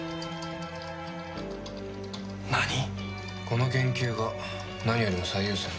この研究が何よりも最優先。